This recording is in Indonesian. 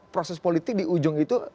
proses politik di ujung itu